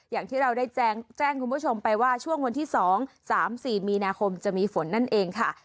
อย่างที่เราได้แจ้งคุณผู้ชมไปว่าช่วงวันที่๒๓๔มีนาคมจะมีฝนนั่นเองค่ะ